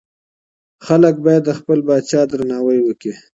خلګ بايد د خپل پاچا درناوی وکړي.